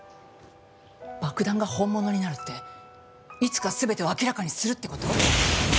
「爆弾が本物になる」っていつか全てを明らかにするって事？